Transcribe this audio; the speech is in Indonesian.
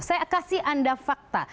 saya kasih anda fakta